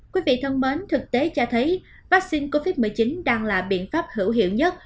quý vị thân mến thực tế cho thấy vaccine covid một mươi chín đang là biện pháp hữu hiệu nhất